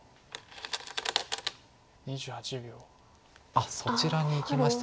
あっそちらにいきました。